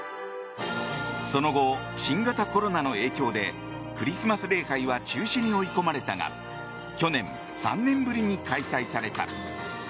その後、新型コロナの影響でクリスマス礼拝は中止に追い込まれたが去年３年ぶりに開催された。